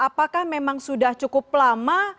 apakah memang sudah cukup lama